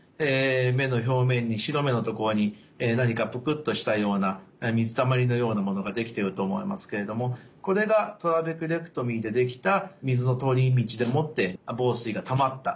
目の表面に白目のところに何かプクッとしたような水たまりのようなものができていると思いますけれどもこれがトラベクレクトミーでできた水の通り道でもって房水がたまった